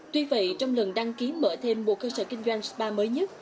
tuy vậy trong lần đăng ký mở thêm một cơ sở kinh doanh spa mới nhất